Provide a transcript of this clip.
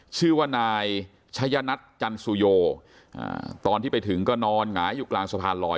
ชื่อว่านายชัยนัทจันสุโยตอนที่ไปถึงก็นอนหงายอยู่กลางสะพานลอย